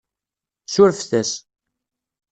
Surfet-as.